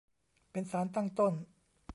เป็นสารตั้งต้น